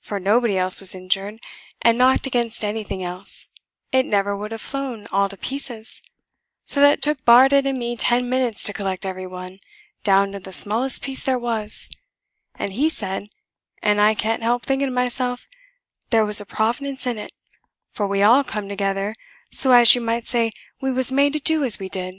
for nobody else was injured, and knocked against anything else, it never would have flown all to pieces, so that it took Bardett and me ten minutes to collect every one, down to the smallest piece there was; and he said, and I can't help thinking myself, there was a Providence in it, for we all come together so as you might say we was made to do as we did."